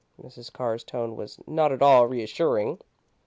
Mrs. Carr's tone was not at all reassuring.